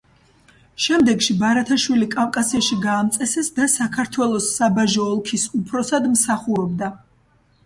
შემდეგში ბარათაშვილი კავკასიაში გაამწესეს და საქართველოს საბაჟო ოლქის უფროსად მსახურობდა.